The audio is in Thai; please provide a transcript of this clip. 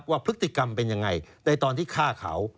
ว่าพฤติกรรมเป็นยังไงในตอนที่ฆ่าเขา